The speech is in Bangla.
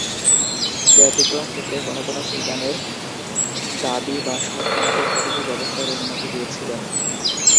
ব্যতিক্রম ক্ষেত্রে কোন কোন সুলতানের দাদী বা সৎ মা এই পদবি ব্যবহারের অনুমতি পেয়েছিলেন।